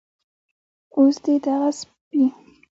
اوس دې دغه سپي